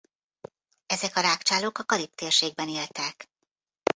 Ezek a rágcsálók a Karib-térségben éltek.